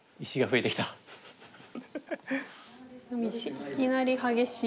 いきなり激しい。